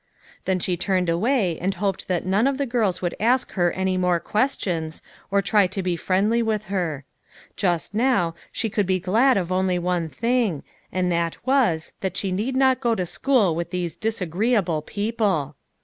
Then she turned away, and hoped that none of the girls would ask her any more questions, or try to be friendly with her. Just now, she could be glad of only one thing, and that was, that she need not go to school with these dis agreeable people.